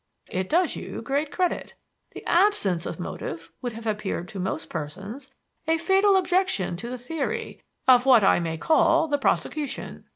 It does you great credit. The absence of motive would have appeared to most persons a fatal objection to the theory, of what I may call, the prosecution.